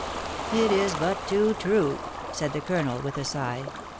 " It is but too true," said the colonel, with a sigh.